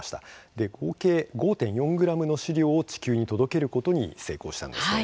合計５．４ｇの試料を地球に届けることに成功したんですね。